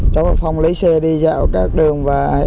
cháu và phong lấy xe đi dạo các đường